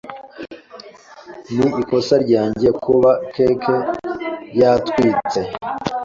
Ni ikosa ryanjye kuba cake yatwitse.